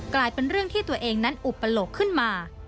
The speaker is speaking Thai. กลายเป็นเรื่องที่ตัวเองนั้นอุปโลกขึ้นมา